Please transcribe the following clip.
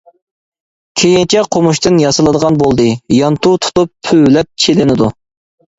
كېيىنچە قومۇشتىن ياسىلىدىغان بولدى، يانتۇ تۇتۇپ پۈۋلەپ چېلىنىدۇ.